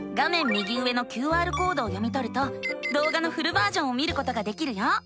右上のＱＲコードを読みとるとどうがのフルバージョンを見ることができるよ。